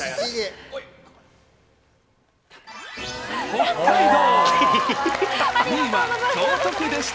北海道。